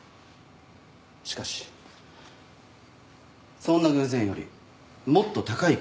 しかしそんな偶然よりもっと高い可能性があります。